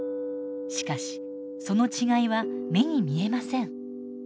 しかしその違いは目に見えません。